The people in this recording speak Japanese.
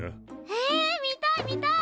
へえ見たい見たい！